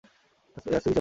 আজ থেকে হিসাব পরিশোধ।